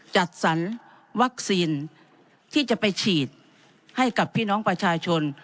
จัดสรรวัคซีนที่จะไปฉีดให้กับพี่น้องประชาชน